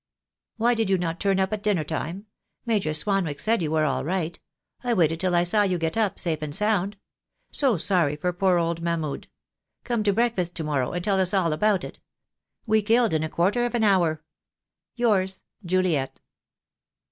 "Why did you not turn up at dinner time? Major Swanwick said you were all right. I waited till I saw you get up, safe and sound. So sorry for poor old Mahmud. Come to breakfast to morrow and tell us all about it. We killed in a quarter of an hour. — Yours, Juliet."